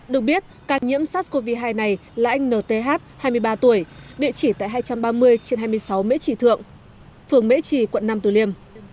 được biết ca nhiễm sars cov hai này là anh nth hai mươi ba tuổi địa chỉ tại hai trăm ba mươi trên hai mươi sáu mễ trì thượng phường mễ trì quận năm tù liêm